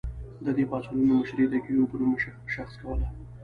د دې پاڅونونو مشري د ګیوم په نوم شخص کوله.